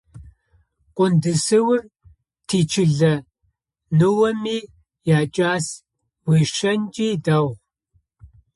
Къундысыур тичылэ ныомэ якӏас, уешъонкӏи дэгъу.